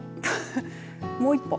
もう一歩。